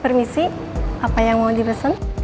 permisi apa yang mau dipesan